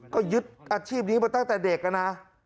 ก็ยึดอาชีพนี้มาตั้งแต่เด็กนะ